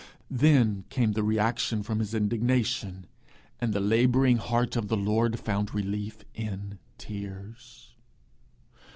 Then came the reaction from his indignation, and the labouring heart of the Lord found relief in tears.